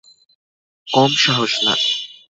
কম সাহস না।